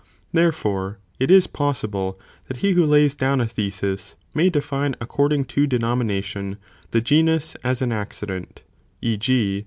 Therefore, it is possi ble that he who lays down a thesis, may define according to denomination (the genus as an accident), e. g.